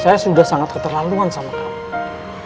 saya sudah sangat keterlalungan sama kamu